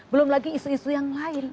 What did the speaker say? belum lagi isu isu yang lain